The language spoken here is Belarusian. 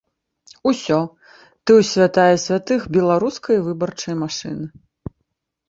Усё, ты ў святая святых беларускай выбарчай машыны.